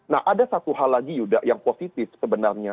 nah ada satu hal lagi yuda yang positif sebenarnya